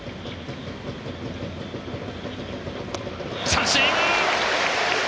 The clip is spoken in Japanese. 三振！